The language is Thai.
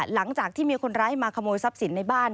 หลังจากที่มีคนร้ายมาขโมยทรัพย์สินในบ้าน